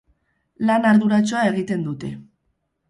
Lan arduratsua egiten dute.